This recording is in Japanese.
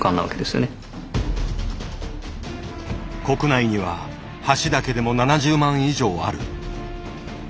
国内には橋だけでも７０万以上ある。